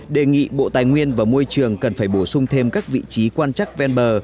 đề nghị bộ tài nguyên và môi trường cần phải bổ sung thêm các vị trí quan trắc ven bờ